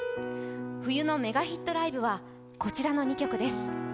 冬のメガヒットライブはこちらの２曲です。